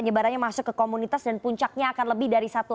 nyebarannya masuk ke komunitas dan puncaknya akan lebih dari satu